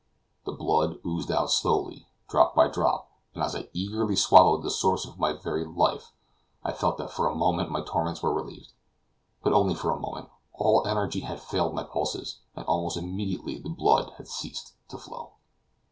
The blood oozed out slowly, drop by drop, and as I eagerly swallowed the source of my very life, I felt that for a moment my torments were relieved. But only for a moment; all energy had failed my pulses, and almost immediately the blood had ceased to flow.